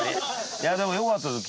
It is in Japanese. いやでも良かったです。